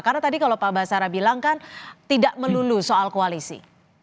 karena tadi kalau pak basara bilang kan tidak melulu soal koalisi